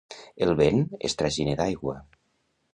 El vent és traginer d'aigua.